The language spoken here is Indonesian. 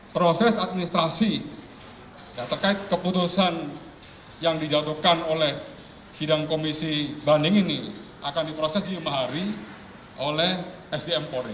proses administrasi terkait keputusan yang dijatuhkan oleh sidang komisi banding ini akan diproses lima hari oleh sdm polri